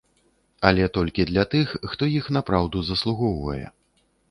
Але толькі для тых, хто іх напраўду заслугоўвае.